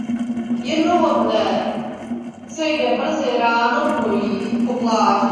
Jednoho dne se jde brzy ráno projít po pláži.